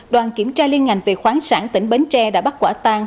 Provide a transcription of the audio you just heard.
đoàn kiểm tra liên ngành về khoáng sản tỉnh bến tre đã bắt quả tang